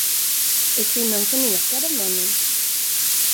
Är kvinnan förnekad av mannen?